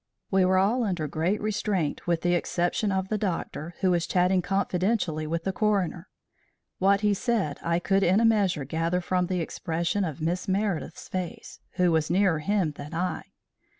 We were all under great restraint with the exception of the doctor, who was chatting confidentially with the coroner. What he said I could in a measure gather from the expression of Miss Meredith's face, who was nearer him than I.